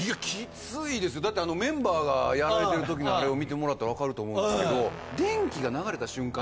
だってメンバーがやられてるときのあれを見てもらったら分かると思うんですけど。